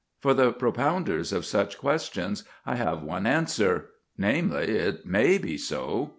For the propounders of such questions I have one answer namely, it may be so.